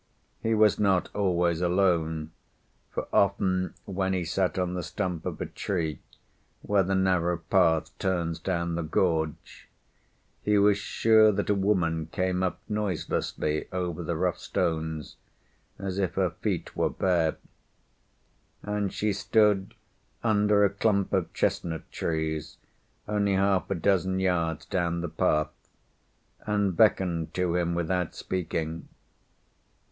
He was not always alone, for often when he sat on the stump of a tree, where the narrow path turns down the gorge, he was sure that a woman came up noiselessly over the rough stones, as if her feet were bare; and she stood under a clump of chestnut trees only half a dozen yards down the path, and beckoned to him without speaking.